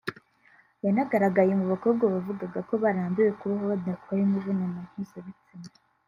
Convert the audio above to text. yanagaragaye mu bakobwa bavugaga ko barambiwe kubaho badakora imibonano mpuzabitsina